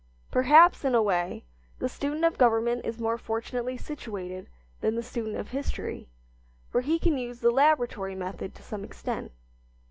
Perhaps, in a way, the student of government is more fortunately situated than the student of history, for he can use the laboratory method to some extent.